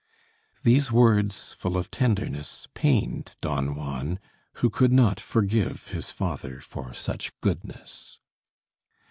These words, full of tenderness, pained Don Juan, who could not forgive his father for such goodness.